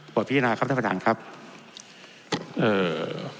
ขอบพิจารณาครับท่านผู้อภิปรายครับเอ่อ